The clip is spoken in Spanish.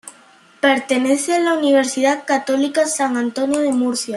Pertenece a la Universidad Católica San Antonio de Murcia.